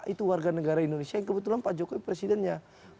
itu warga negara indonesia yang kebetulan pak jokowi presidennya